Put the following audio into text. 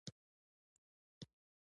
غلی، د ستر شخصیت خاوند وي.